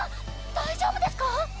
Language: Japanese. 大丈夫ですか？